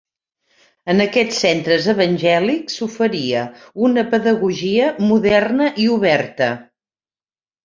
En aquests centres evangèlics s'oferia una pedagogia moderna i oberta.